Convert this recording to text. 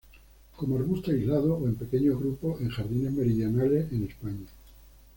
Como arbusto aislado, o en pequeños grupos, en jardines meridionales en España.